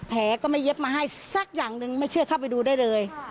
ก็ไม่เย็บมาให้สักอย่างหนึ่งไม่เชื่อเข้าไปดูได้เลย